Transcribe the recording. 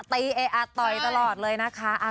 ตีต่อยตลอดเลยนะคะ